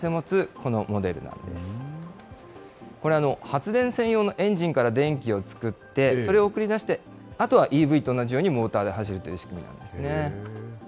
これ、発電専用のエンジンから電気を作って、それを送り出して、あとはＥＶと同じようにモーターで走るという仕組みなんですね。